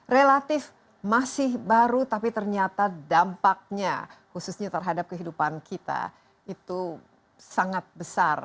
relatif masih baru tapi ternyata dampaknya khususnya terhadap kehidupan kita itu sangat besar